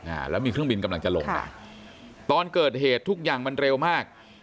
อ่าแล้วมีเครื่องบินกำลังจะลงมาตอนเกิดเหตุทุกอย่างมันเร็วมาก